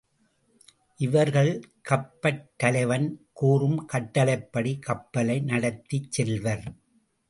இவர்கள் கப்பற்றலைவன் கூறும் கட்டளைப்படி கப்பலை நடத்திச் செல்வர்.